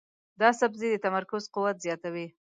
دا سبزی د تمرکز قوت زیاتوي.